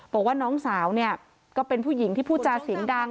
บอกว่าน้องสาวเนี่ยก็เป็นผู้หญิงที่พูดจาเสียงดัง